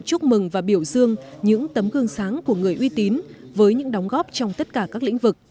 chúc mừng và biểu dương những tấm gương sáng của người uy tín với những đóng góp trong tất cả các lĩnh vực